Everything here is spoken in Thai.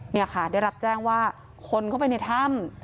นี่ค่ะได้รับแจ้งว่าคนเข้าไปในถ้ำ